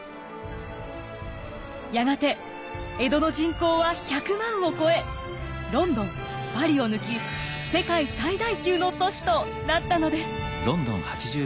やがて江戸の人口は１００万を超えロンドンパリを抜き世界最大級の都市となったのです。